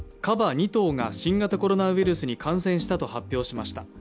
２頭が新型コロナウイルスに感染したと発表しました。